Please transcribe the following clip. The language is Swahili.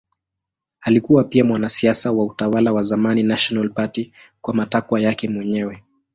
Alikuwa pia mwanasiasa wa utawala wa zamani National Party kwa matakwa yake mwenyewe.